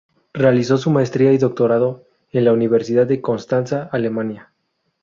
Realizó su maestría y doctorado en la Universidad de Constanza, Alemania.